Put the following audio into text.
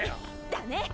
だね！